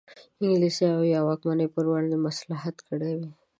انګلیس او یا واکمنو پر وړاندې مصلحت کړی وي.